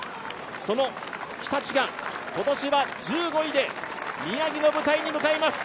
その日立が今年は１５位で宮城の舞台に向かいます。